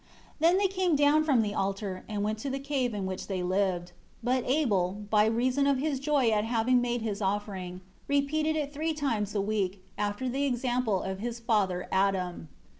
6 Then they came down from the altar, and went to the cave in which they lived. But Abel, by reason of his joy at having made his offering, repeated it three times a week, after the example of his father Adam.